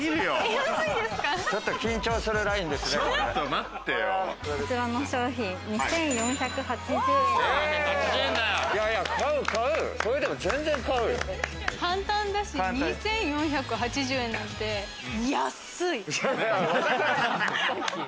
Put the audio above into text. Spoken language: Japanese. こちらの商品、２４８０円になります。